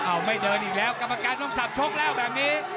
เอาไม่เดินอีกแล้วกรรมการต้องสับชกแล้วแบบนี้